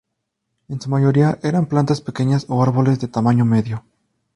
En su mayoría eran plantas pequeñas o árboles de tamaño medio.